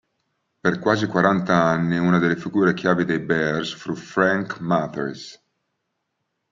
Per quasi quaranta anni una delle figure chiave dei Bears fu Frank Mathers.